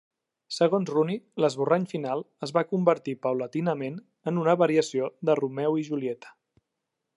Segons Rooney, l'esborrany final es va convertir paulatinament en una variació de "Romeu i Julieta".